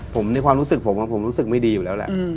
ผมในความรู้สึกผมผมรู้สึกไม่ดีอยู่แล้วแหละ